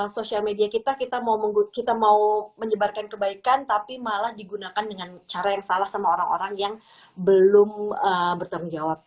sosial media kita kita mau menyebarkan kebaikan tapi malah digunakan dengan cara yang salah sama orang orang yang belum bertanggung jawab